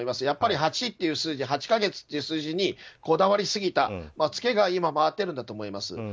やっぱり８か月という数字にこだわりすぎたつけが今、回っているんだと思います。